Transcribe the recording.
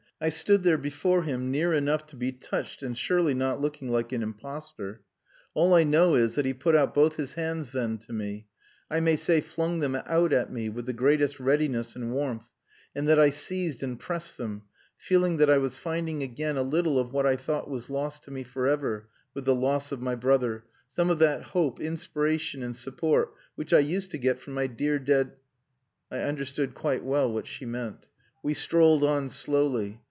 I stood there before him, near enough to be touched and surely not looking like an impostor. All I know is, that he put out both his hands then to me, I may say flung them out at me, with the greatest readiness and warmth, and that I seized and pressed them, feeling that I was finding again a little of what I thought was lost to me for ever, with the loss of my brother some of that hope, inspiration, and support which I used to get from my dear dead...." I understood quite well what she meant. We strolled on slowly.